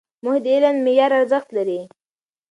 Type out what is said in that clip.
موخې د علم د معیار ارزښت لري.